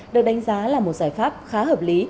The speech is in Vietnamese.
được đánh giá là một giải pháp khá hợp lý